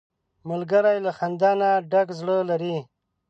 ملګری له خندا نه ډک زړه لري